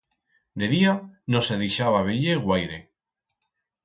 De día no se dixaba veyer guaire.